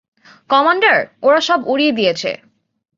Commander, ওরা সব উড়িয়ে দিয়েছে।